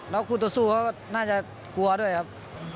แล้วคู่ต่อสู้ก็น่าจะกลัวด้วยครับ